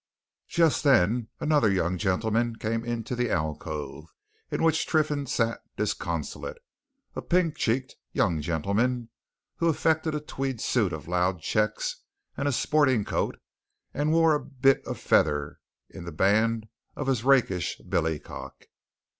Just then another young gentleman came into the alcove in which Triffitt sat disconsolate a pink cheeked young gentleman, who affected a tweed suit of loud checks and a sporting coat, and wore a bit of feather in the band of his rakish billycock.